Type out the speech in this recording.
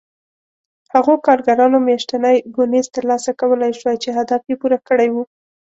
هغو کارګرانو میاشتنی بونېس ترلاسه کولای شوای چې هدف یې پوره کړی و